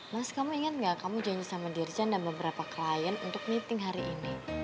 mas kamu ingat gak kamu janji sama dirjen dan beberapa klien untuk meeting hari ini